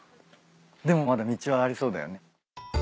でもまだ道はありそうだよね。